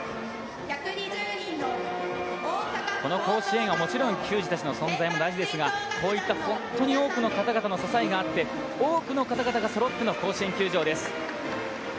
この甲子園は、もちろん球児たちの存在は大切ですが、多くの方々の支えがあって、多くの方々がそろっての甲子園です。